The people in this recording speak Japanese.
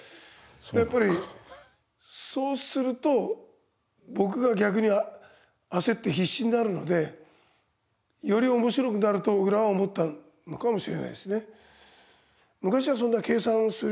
やっぱりそうすると僕が逆に焦って必死になるのでより面白くなると小倉は思ったのかもしれないですね。